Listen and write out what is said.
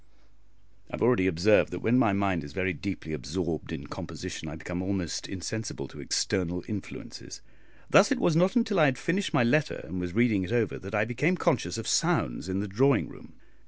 I have already observed that, when my mind is very deeply absorbed in composition, I become almost insensible to external influences: thus it was not until I had finished my letter, and was reading it over, that I became conscious of sounds in the drawing room.